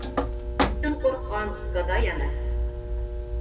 ئىتتىن قورققان گاداي ئەمەس.